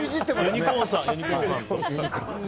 ユニコーンさんと。